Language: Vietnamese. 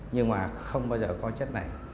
nhưng mà không bao giờ có chất này